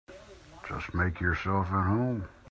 Just make yourselves at home.